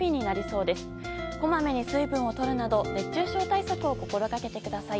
こまめに水分をとるなど熱中症対策を心がけてください。